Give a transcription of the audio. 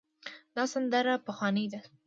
دا سندره پخوانۍ ده.